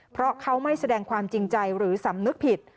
เพราะเขาไม่แสดงความจริงใจหรือสำนึกผิด